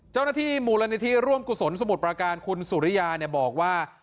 เจ้าหน้าที่มูลนิธิร่วมกุศลสมุทรประการคุณสุริยาบอกว่า